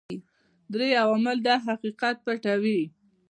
درې عوامل دا حقیقت پټوي.